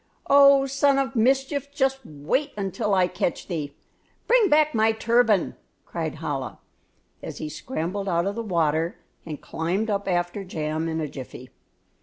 "Oh, son of mischief, just wait until I catch thee! Bring back my turban!" cried Chola, as he scrambled out of the water and climbed up after Jam in a jiffy.